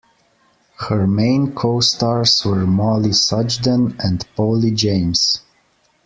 Her main co-stars were Mollie Sugden and Polly James.